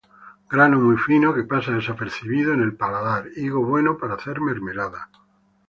Grano muy fino que pasa desapercibido en el paladar, higo bueno para hacer mermelada.